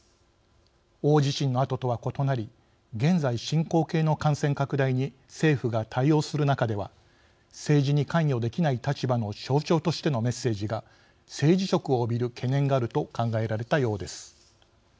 大地震のあととは異なり現在進行形の感染拡大に政府が対応する中では政治に関与できない立場の象徴としてのメッセージが政治色を帯びる懸念があると考えられたようです。